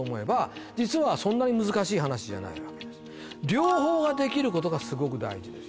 両方できることがすごく大事です